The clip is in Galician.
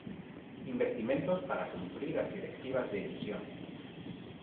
Investimentos para cumprir as directivas de emisión.